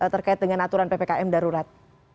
terkait dengan aturan ppkm darurat